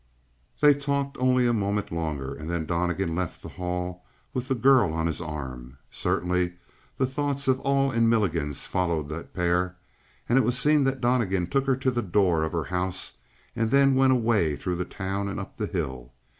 They talked only a moment longer and then Donnegan left the hall with the girl on his arm. Certainly the thoughts of all in Milligan's followed that pair; and it was seen that Donnegan took her to the door of her house and then went away through the town and up the hill.